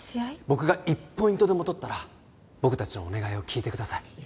僕が１ポイントでも取ったら僕達のお願いを聞いてください